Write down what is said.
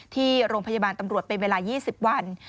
ที่โรงพยาบาลตำรวจเป็นเวลา๒๐วัน